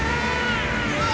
うわ。